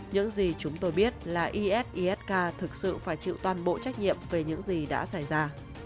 những gì chúng tôi biết là es isk thực sự phải chịu toàn bộ trách nhiệm về những gì đã xảy ra